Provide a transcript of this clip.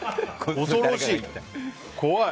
恐ろしい！